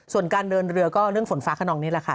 ส่วนการเดินเรือก็เรื่องฝนฟ้าขนองนี่แหละค่ะ